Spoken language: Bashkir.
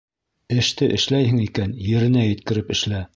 Эште эшләйһең икән, еренә еткереп эшлә.